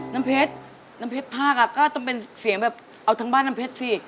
น้ำเพชรภาคก็ต้องเป็นเสียงแบบเอาทั้งบ้านน้ำเพชรสิ